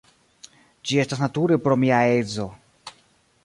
Ĝi estas nature pro mia edzo.